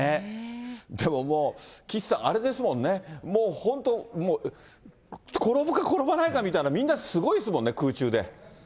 でももう、岸さん、あれですもんね、もう本当、転ぶか転ばないかみたいな、みんなすごいですもんね、空中で。